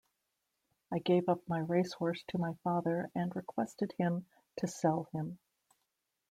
I gave up my racehorse to my father, and requested him to sell him.